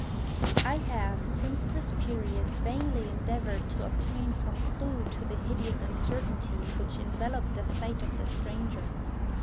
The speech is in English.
I have, since this period, vainly endeavoured to obtain some clew to the hideous uncertainty which enveloped the fate of the stranger.